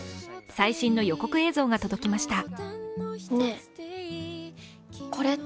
最新の予告映像が届きました。